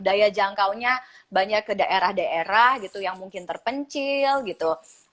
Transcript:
daya jangkaunya banyak ke daerah daerah gitu yang mungkin terpencil gitu